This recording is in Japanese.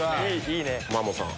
マモさん。